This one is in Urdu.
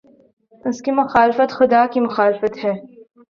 اس کی مخالفت خدا کی مخالفت ہے۔